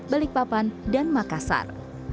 balikpapan dan makassar